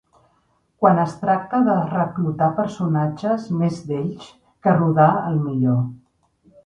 Quan es tracta de reclutar personatges més d'ells que rodar el millor.